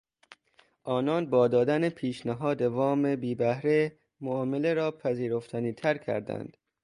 آنان با دادن پیشنهاد وام بیبهره معامله را پذیرفتنیتر کردند.